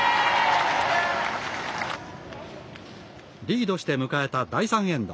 リードして迎えた第３エンド。